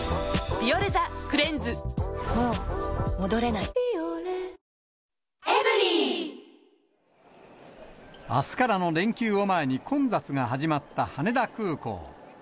「ビオレ」あすからの連休を前に、混雑が始まった羽田空港。